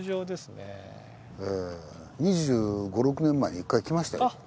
２５２６年前に一回来ましたよ。